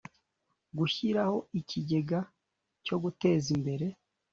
Gushyiraho ikigega cyo guteza imbere